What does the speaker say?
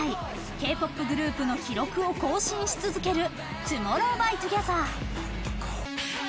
Ｋ‐ＰＯＰグループの記録を更新し続けるＴＯＭＯＲＲＯＷＸＴＯＧＥＴＨＥＲ。